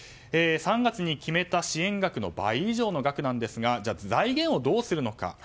３月に決めた支援額の倍以上の額なんですが財源をどうするのか。